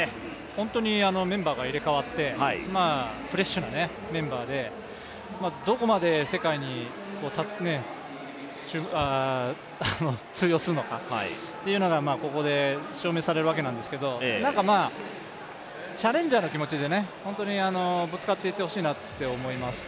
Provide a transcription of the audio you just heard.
本当にメンバーが入れ代わって、フレッシュなメンバーでどこまで世界に通用するのかというのがここで証明されるわけなんですけどチャレンジャーの気持ちで本当にぶつかっていってほしいなと思います。